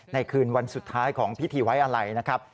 ในคืนวันสุดท้ายของพิธีไว้อะไหล่